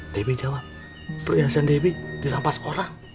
debi jawab perhiasan debi dirampas orang